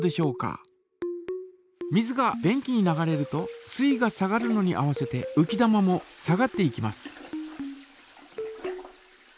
水が便器に流れると水位が下がるのに合わせてうき玉も下がっていきます。